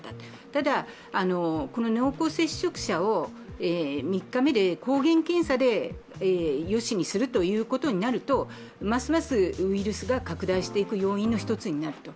ただ、濃厚接触者を３日目で抗原検査でよしにするということになるとますます、ウイルスが拡大していく要因の一つになると。